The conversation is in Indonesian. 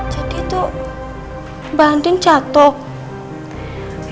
jadi tuh mbak andin jatuh